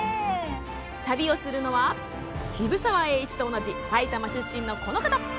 旅をするのは、渋沢栄一と同じ埼玉出身のこの方。